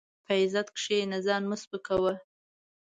په عزت کښېنه، ځان مه سپکاوه.